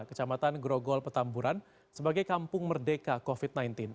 kecamatan grogol petamburan sebagai kampung merdeka covid sembilan belas